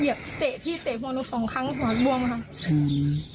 เหยียบเตะพี่เตะหัวหนูสองครั้งหัวหักรวมค่ะอืม